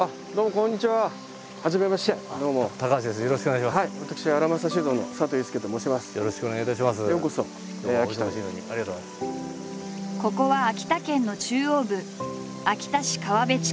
ここは秋田県の中央部秋田市河辺地区。